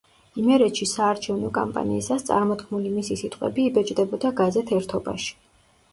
იმერეთში საარჩევნო კამპანიისას წარმოთქმული მისი სიტყვები იბეჭდებოდა გაზეთ „ერთობაში“.